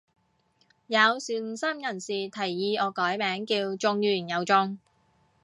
有善心人士提議我改名叫中完又中